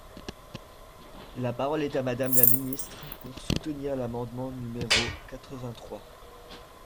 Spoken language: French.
La parole est à Madame la ministre, pour soutenir l’amendement numéro quatre-vingt-trois.